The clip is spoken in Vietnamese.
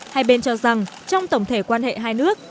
hai bên cho rằng trong tổng thể quan hệ hai nước